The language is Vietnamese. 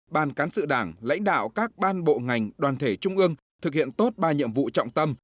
ban cán sự đảng lãnh đạo các ban bộ ngành đoàn thể trung ương thực hiện tốt ba nhiệm vụ trọng tâm